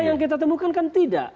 yang kita temukan kan tidak